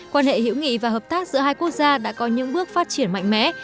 quan hệ hữu nghị và hợp tác giữa hai quốc gia đã có những bước phát triển mạnh mẽ